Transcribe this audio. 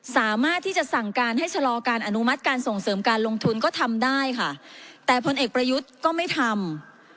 สามารถที่จะสั่งการให้ชะลอการอนุมัติการส่งเสริมการลงทุนก็ทำได้ค่ะแต่พลเอกประยุทธ์ก็ไม่ทำ